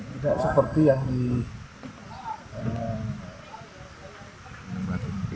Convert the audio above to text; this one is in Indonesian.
tidak seperti yang di